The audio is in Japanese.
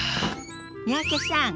三宅さん